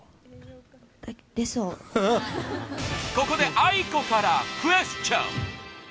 ここでａｉｋｏからクエスチョン！